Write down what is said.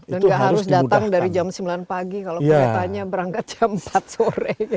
dan gak harus datang dari jam sembilan pagi kalau keretanya berangkat jam empat sore